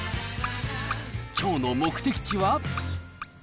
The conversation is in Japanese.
きょうの目的地は。